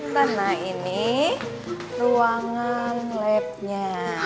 tena ini ruangan labnya